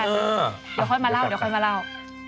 เดี๋ยวค่อยมาเล่าเดี๋ยวค่อยมาเล่า